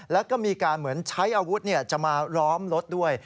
แล้วก็มีการเหมือนใช้อาวุธจะมาล้อมรถด้วย